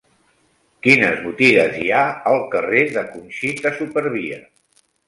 Quines botigues hi ha al carrer de Conxita Supervia?